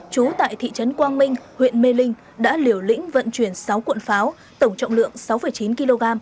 trú tại thị trấn quang minh huyện mê linh đã liều lĩnh vận chuyển sáu cuộn pháo tổng trọng lượng sáu chín kg